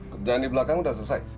kerjaan di belakang sudah selesai